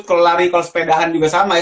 kalau lari kalau sepedahan juga sama ya